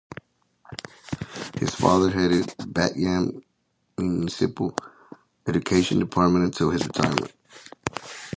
His father headed the Bat Yam municipal education department until his retirement.